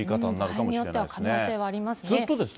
場合によっては可能性はありますね。